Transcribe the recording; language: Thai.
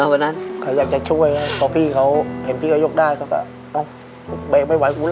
วิธีเลิกกับยก